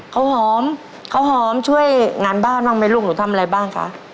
เขาหอมเขาหอมช่วยงานบ้านบ้างไหมลูกหนูทำอะไรบ้างคะ